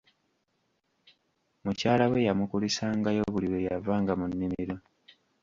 Mukyala we yamukulisangayo buli lwe yavanga mu nnimiro.